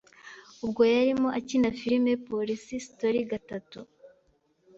Ubwo yarimo akina filime Police Story gatatu